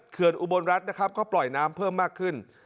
อุบลรัฐนะครับก็ปล่อยน้ำเพิ่มมากขึ้น